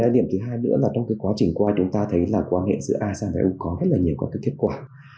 điểm thứ hai nữa là trong quá trình qua chúng ta thấy quan hệ giữa asean và eu có rất nhiều kết quả